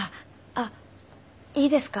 あっいいですか？